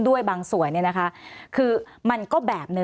สวัสดีครับทุกคน